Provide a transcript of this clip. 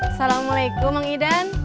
assalamualaikum mang idan